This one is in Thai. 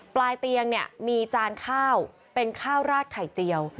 ปลายเตียงเนี่ยมีจานข้าวเป็นข้าวราดไข่เจียว